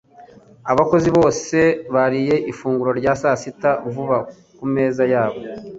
Abakozi bose bariye ifunguro rya sasita vuba ku meza yabo.